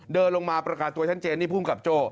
เดินลงมาประกาศตัวชัดเจนนี่ภูมิกับโจ้